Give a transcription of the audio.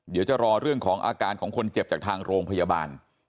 เดี๋ยวจะรอเรื่องของอาการของคนเจ็บจากทางโรงพยาบาล